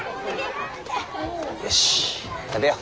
よし食べよ。